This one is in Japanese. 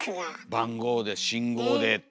番号で信号でって。